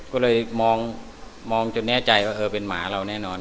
ก็เลยมองจนแน่ใจว่าเออเป็นหมาเราแน่นอน